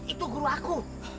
itu guru aku